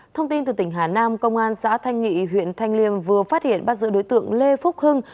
thông tin từ tỉnh hà nam công an xã thanh nghị huyện thanh liêm vừa phát hiện bắt giữ đối tượng lê phúc hưng